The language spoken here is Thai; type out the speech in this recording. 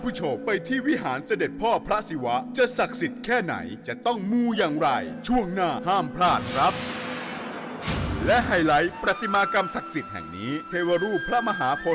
ครับครับค่ะสวัสดีครับสวัสดีครับ